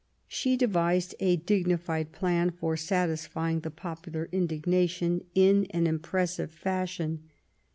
She devised a dignified plan for satisfying the popular indignation in an impressive fashion.